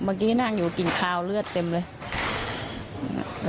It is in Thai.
เมื่อกี้นั่งอยู่กลิ่นคาวเลือดเต็มเลย